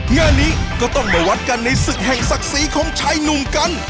งานนี้ก็ต้องมาวัดกันในศึกแห่งศักดิ์ศรีของชายหนุ่มกัน